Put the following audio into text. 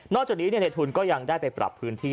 จากนี้ในทุนก็ยังได้ไปปรับพื้นที่